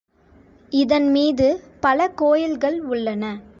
இதன்மீது பல கோயில்கள் உள்ளன.